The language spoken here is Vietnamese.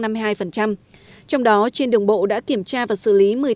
trong đó trên đường bộ đã kiểm tra và xử lý một mươi tám một trăm hai mươi ba